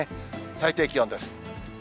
最低気温です。